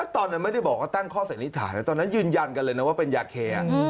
ตอนนั้นไม่ได้บอกว่าตั้งข้อสันนิษฐานนะตอนนั้นยืนยันกันเลยนะว่าเป็นยาเค